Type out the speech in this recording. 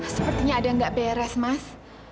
sepertinya ada yang nggak beres mas